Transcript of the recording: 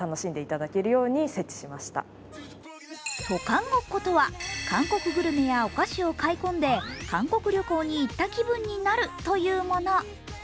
渡韓ごっことは、韓国グルメやお菓子を買い込んで韓国旅行に行った気分になるというもの。